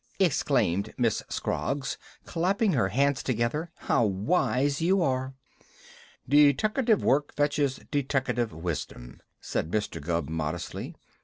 exclaimed Miss Scroggs, clapping her hands together. "How wise you are!" "Deteckative work fetches deteckative wisdom," said Mr. Gubb modestly.